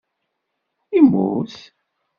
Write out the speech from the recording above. Immut?